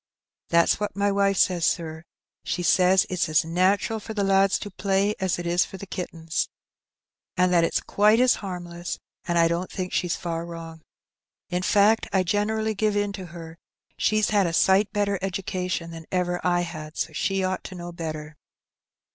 ^' "That's what my wife says, sir; she says it's as natural for the lads to play as it is for the kittens, and that it's quite as harmless, and I don't think she's far wrong. In fact, I generally give in to her; she's had a sight better education than ever I had, so she ought to know better."